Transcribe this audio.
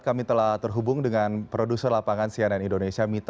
kami telah terhubung dengan produser lapangan cnn indonesia mita